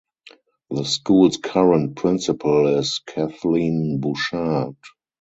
The school's current principal is Kathleen Bouchard.